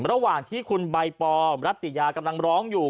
ระหว่างที่คุณใบปอมรัตยากำลังร้องอยู่